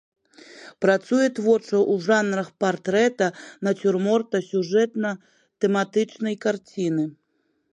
Працуе творча ў жанрах партрэта, нацюрморта, сюжэтна-тэматычнай карціны.